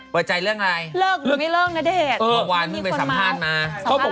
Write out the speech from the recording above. ไปเอาเวลาถ้าว่ากัน